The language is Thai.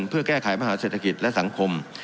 เพื่อแก้ไขปัญหาเศรษฐกิจและสังคม